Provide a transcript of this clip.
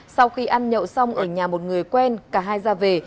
sau khi ăn nhậu xong ở nhà một người quen cả hai ra về